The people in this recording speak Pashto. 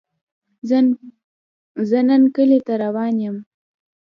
زۀ نن کلي ته روان يم